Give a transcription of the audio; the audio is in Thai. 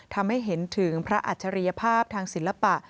ทำให้เห็นถึงพระอัจฉริยภาพทางศิลปะ